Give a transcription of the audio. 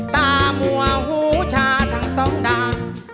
ตามัวหูชาทางสองดา